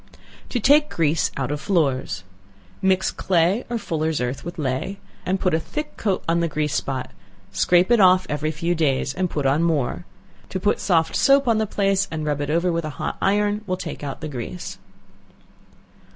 To Take Grease out of Floors. Mix clay or fullers' earth with ley, and put a thick coat on the grease spot; scrape it off every few days, and put on more. To put soft soap on the place, and rub it over with a hot iron, will take out the grease.